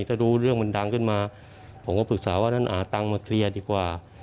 ถ้ารู้เรื่องมันดังขึ้นมาผมก็ปรึกษาว่านั้นหาตังค์มาเคลียร์ดีกว่า